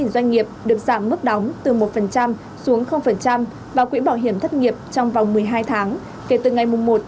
ba trăm tám mươi sáu doanh nghiệp được giảm mức đóng từ một xuống vào quỹ bảo hiểm thất nghiệp trong vòng một mươi hai tháng